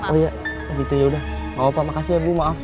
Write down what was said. oh iya gitu yaudah gapapa makasih ya bu maaf